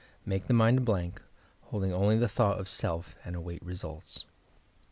Make the mind a blank, holding only the thought of Self, and await results.